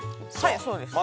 ◆そうです。